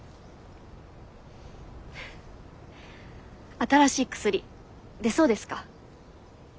新しい薬出そうですか？